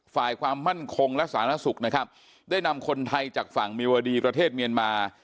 ฝ่ายความมั่นคงและสาธารณสุขนะครับได้นำคนไทยจากฝั่งเมียวดีประเทศเมียนมา